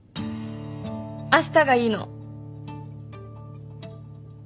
あしたがいいの。